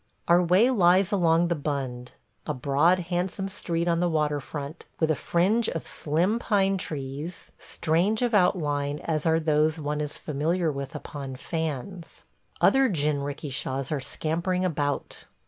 ... Our way lies along the Bund, a broad, handsome street on the water front, with a fringe of slim pine trees strange of outline as are those one is familiar with upon fans. Other jinrikishas are scampering about.